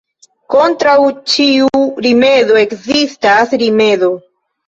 Kontraŭ ĉiu rimedo ekzistas rimedo.